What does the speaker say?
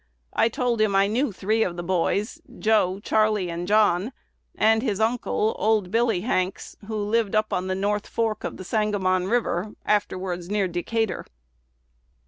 I told him I knew three of the boys, Joe, Charley, and John, and his uncle, old Billy Hanks, who lived up on the North Fork of the Sangamon River, afterwards near Decatur."